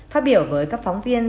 phát biểu với các phóng viên